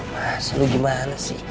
mas lu gimana sih